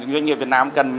doanh nghiệp việt nam cần